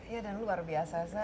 ya dan luar biasa